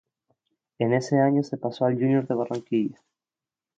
En ese año se pasó al Junior de Barranquilla.